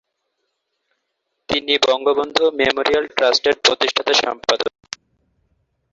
তিনি বঙ্গবন্ধু মেমোরিয়াল ট্রাস্টের প্রতিষ্ঠাতা সম্পাদক।